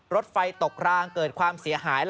รถไฟตกรางเกิดความเสียหาย